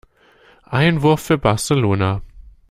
Einwurf für Barcelona.